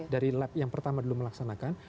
dari lab yang pertama dulu melaksanakan